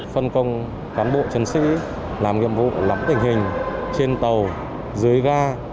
phân công cán bộ chân sĩ làm nghiệm vụ lắm tình hình trên tàu dưới ga